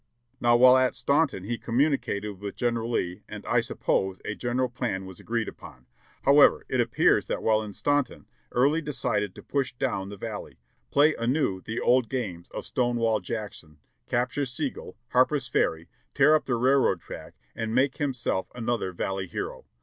Now while at Staunton he communicated with General Lee and I suppose a general plan was agreed upon ; however, it ap pears that while in Staunton, Early decided to push down the Val ley, pla)^ anew the old games of Stonewall Jackson, capture Sigel, Harper's Ferry, tear up the railroad track and make himself another Valley hero